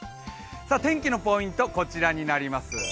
天気のポイント、こちらになります